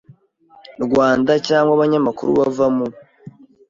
Rwanda cyangwa abanyamakuru bava mu